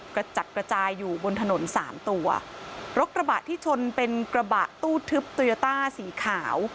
กระจัดกระจายอยู่บนถนนสามตัวรถกระบะที่ชนเป็นกระบะตู้ทึบโตโยต้าสีขาว